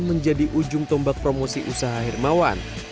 menjadi ujung tombak promosi usaha hermawan